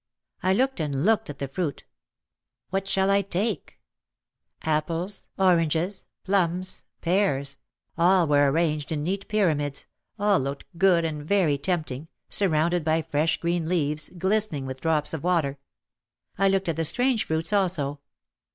I looked and looked at the fruit : "What shall I take ?" Apples, oranges, plums, pears — all were arranged in neat pyramids, all looked good and very tempting, surrounded by fresh green leaves, glistening with drops of water. I looked at the strange fruits also.